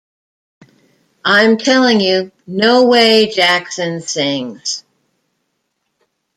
I'm telling you no way, Jackson sings.